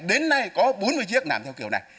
đến nay có bốn mươi chiếc làm theo kiểu này